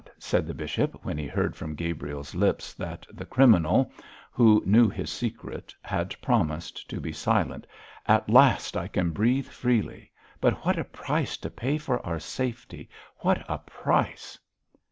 said the bishop, when he heard from Gabriel's lips that the criminal, who knew his secret, had promised to be silent, 'at last I can breathe freely; but what a price to pay for our safety what a price!'